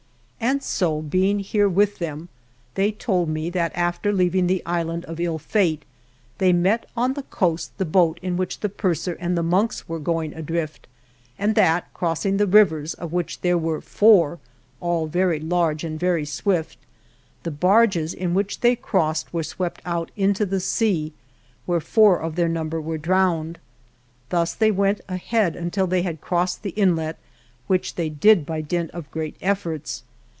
And so, being here with them, they told me that after leaving the Island of Ill Fate they met on the coast the boat in which the purser and the monks were going adrift, and that crossing the rivers, of which there were four, all very large and very swift, the barges in which they crossed were swept out into the sea, where four of their number were drowned. Thus they went ahead until they had crossed the inlet, whic.i they did by dint of great efforts.